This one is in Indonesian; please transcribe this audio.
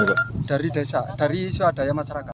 itu dari desa dari swadaya masyarakat